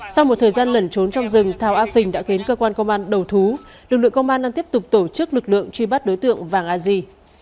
sau một thời gian lẩn trốn trong rừng thảo a phình đã khiến cơ quan công an đầu thú lực lượng công an đang tiếp tục tổ chức lực lượng truy bắt đối tượng vàng a di